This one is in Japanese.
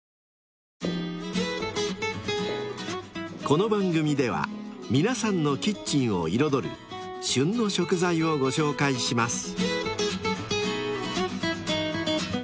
［この番組では皆さんのキッチンを彩る「旬の食材」をご紹介します］